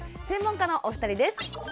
専門家のお二人です。